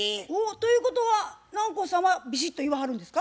ということは南光さんはビシッと言わはるんですか？